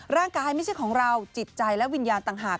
ไม่ใช่ของเราจิตใจและวิญญาณต่างหาก